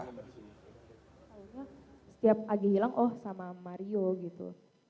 setiap agih hilang oh sama mario gitu